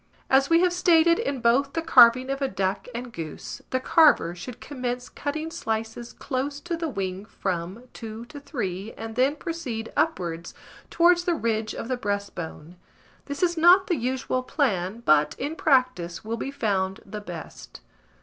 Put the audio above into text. As we have stated in both the carving of a duck and goose, the carver should commence cutting slices close to the wing from, 2 to 3, and then proceed upwards towards the ridge of the breastbone: this is not the usual plan, but, in practice, will be found the best.